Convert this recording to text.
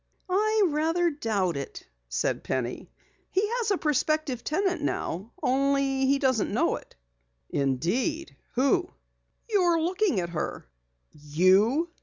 "I rather doubt it," said Penny. "He has a prospective tenant now, only he doesn't know it." "Indeed? Who?" "You're looking at her." "You!"